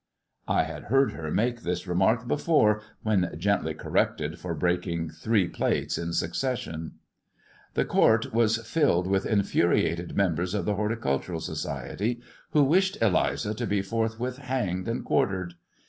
I had heard her make this remark before when gently corrected for breaking three plates in succession. The court was filled with infuriated members of the Horticultural Society, who wished Eliza to be forthwith hanged and quartered.